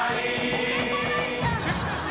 出てこないじゃん